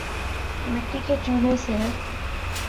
مٹی کے چولہے صحت